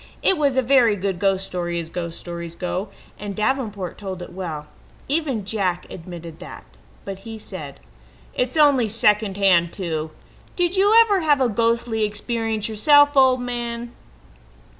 It was a very good ghost story as ghost stories go, and Davenport told it well. Even Jack admitted that, but he said: "It's only second hand too. Did you ever have a ghostly experience yourself, old man?"